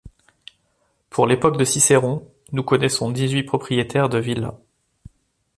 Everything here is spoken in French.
Pour l'époque de Cicéron, nous connaissons dix-huit propriétaires de villas.